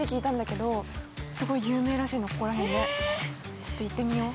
ちょっと行ってみよう。